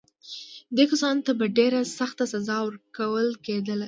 دې کسانو ته به ډېره سخته سزا ورکول کېدله.